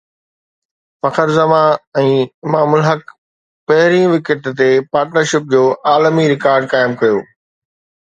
فخر زمان ۽ امام الحق پهرين وڪيٽ تي پارٽنرشپ جو عالمي رڪارڊ قائم ڪيو